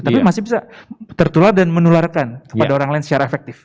tapi masih bisa tertular dan menularkan kepada orang lain secara efektif